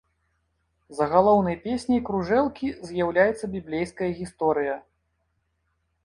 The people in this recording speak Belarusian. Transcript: Загалоўнай песняй кружэлкі з'яўляецца біблейская гісторыя.